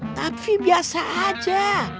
tapi biasa aja